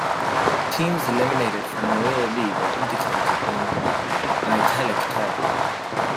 Teams eliminated from Royal League are indicated in "italic type".